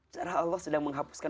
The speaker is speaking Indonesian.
cara allah sedang menghapuskan